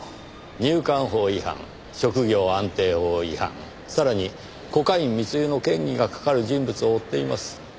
入管法違反職業安定法違反さらにコカイン密輸の嫌疑がかかる人物を追っています。